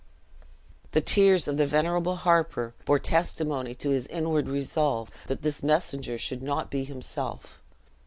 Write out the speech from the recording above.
The tears of the venerable harper bore testimony to his inward resolve, that this messenger should not be himself.